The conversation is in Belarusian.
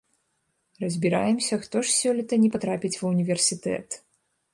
Разбіраемся, хто ж сёлета не патрапіць ва ўніверсітэт.